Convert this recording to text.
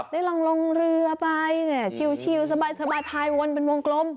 ได้ลองเรือไปชิลสบายพายวนเป็นวงกลม